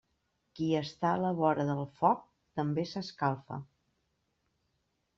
Qui està a la vora del foc també s'escalfa.